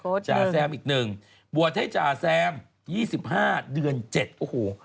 โคตรอีกแซมอีกหนึ่งบวชให้อาแซม๒๕๘๐เดือน๗โอ้โห